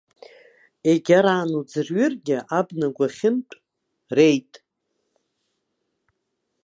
Егьараан уӡырҩыргьы, абна агәахьынтә реит!